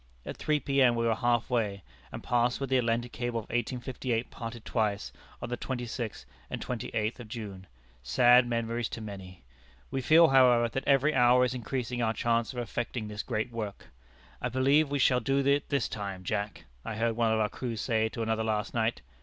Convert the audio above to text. At three P.M. we were half way, and passed where the Atlantic Cable of 1858 parted twice, on the twenty sixth and twenty eighth of June sad memories to many! We feel, however, that every hour is increasing our chance of effecting this great work. 'I believe we shall do it this time, Jack,' I heard one of our crew say to another last night.